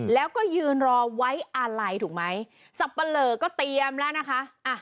แล้วก็ยืนรอไว้อาลัยถูกไหมสับปะเหลอก็เตรียมแล้วนะคะอ่ะ